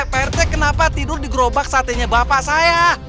pak rt kenapa tidur di gerobak sate nya bapak saya